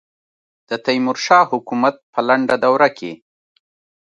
د تیمور شاه حکومت په لنډه دوره کې.